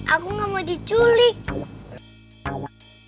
aku gak mau dicurig